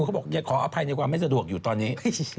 เขาบอกอย่าขออภัยในความไม่สะดวกอยู่ตอนนี้